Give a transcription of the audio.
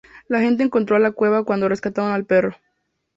La gente encontró a la cueva cuando rescataron al perro.